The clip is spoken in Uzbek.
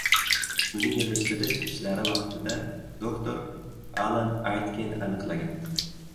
Uni yigʻishtirish ishlari vaqtida doktor Alan Aytken aniqlagan.